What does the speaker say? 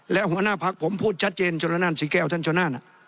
และหัวหน้าพักผมพูดชัดเจน